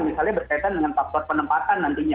misalnya berkaitan dengan faktor penempatan nantinya